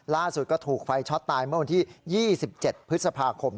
ล่าสุดก็ถูกไฟช็อตตายเมื่อวันที่๒๗พฤษภาคม